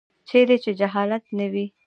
چیرې چې جهالت نه وي.